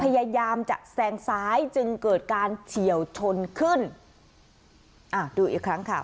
พยายามจะแซงซ้ายจึงเกิดการเฉียวชนขึ้นอ่าดูอีกครั้งค่ะ